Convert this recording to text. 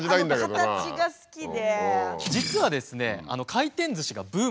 あの形が好きで。